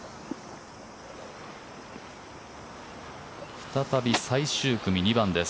再び最終組、２番です。